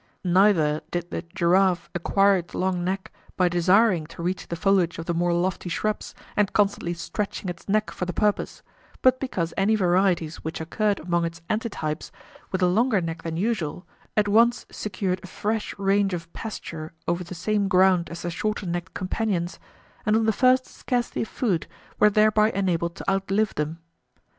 Neither did the giraffe acquire its long neck by desiring to reach the foliage of the more lofty shrubs, and constantly stretching its neck for the purpose, but because any varieties which occurred among its antitypes with a longer neck than usual at once secured a fresh range of pasture over the same ground as their shorter necked companions, and on the first scarcity of food were thereby enabled to outlive them.